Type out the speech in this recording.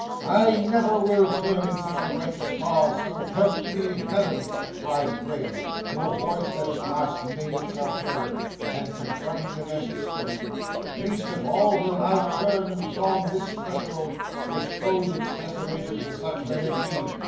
'I never will turn in such a righteous cause, so help me Heaven!' cried Graham, in a voice that at last made itself heard, and confronting them as he spoke. 'Least of all will I turn upon this threshold which owes its desolation to such men as ye.